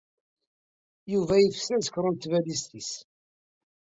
Yuba yefsi azekṛun n tbalizt-is.